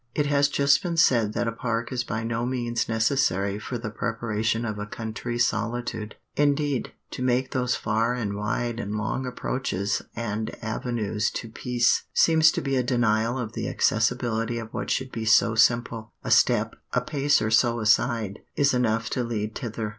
It has just been said that a park is by no means necessary for the preparation of a country solitude. Indeed, to make those far and wide and long approaches and avenues to peace seems to be a denial of the accessibility of what should be so simple. A step, a pace or so aside, is enough to lead thither.